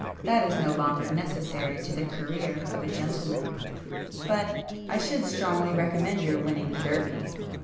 That is no longer necessary to the career of a gentleman. But I should strongly recommend your winning the Derby."